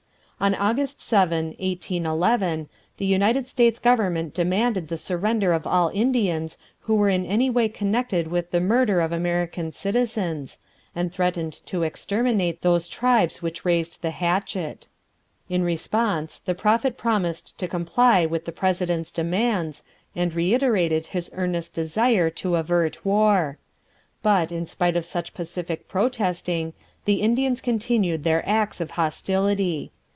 On August 7, 1811, the United States government demanded the surrender of all Indians who were in any way connected with the murder of American citizens, and threatened to exterminate those tribes which raised the hatchet. In response the Prophet promised to comply with the president's demands, and reiterated his earnest desire to avert war. But, in spite of such pacific protesting, the Indians continued their acts of hostility.